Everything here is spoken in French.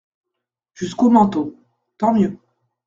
Jusqu’au menton… tant mieux !